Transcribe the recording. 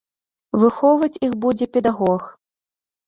Выхоўваць іх будзе педагог.